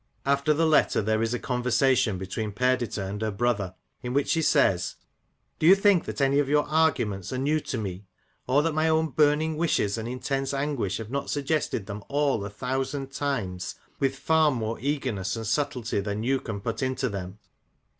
After the letter there is a conversation between Perdita and her brother, in which she says :—Do you think that any of your arguments are new to me ? or that my own burning wishes and intense anguish have not suggested them all a thousand times, with far more eagerness and subtlety than you can put into them